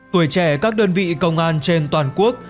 tuổi trẻ các đơn vị công an trên toàn quốc